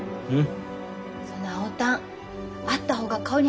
うん？